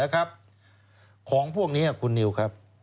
ของพวกนี้คุณนิวครับ